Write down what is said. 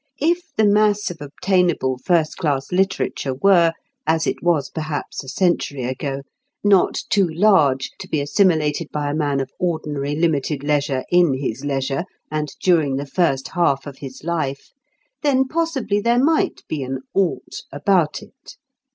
If the mass of obtainable first class literature were, as it was perhaps a century ago, not too large to be assimilated by a man of ordinary limited leisure in his leisure and during the first half of his life, then possibly there might be an "ought" about it.